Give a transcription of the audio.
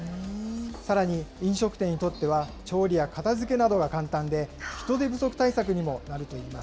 さらに、飲食店にとっては調理や片づけなどが簡単で、人手不足対確かに。